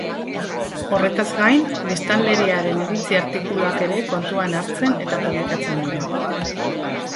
Horretaz gain, biztanleriaren iritzi-artikuluak ere kontuan hartzen eta publikatzen dira.